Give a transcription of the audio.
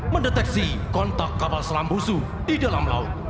mendeteksi kontak kapal selam musuh di dalam laut